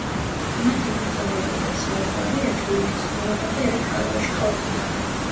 მათ ეკრძალებოდათ საუბარი, ერთმანეთის ყურება და ერთ კარავში ყოფნა.